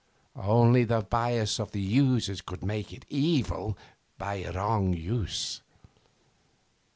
Only the bias of the users could make it "evil" by wrong use.